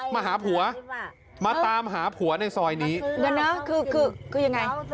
มาหาผัวมาตามหาผัวในซอยนี้เดี๋ยวนะคือคือยังไง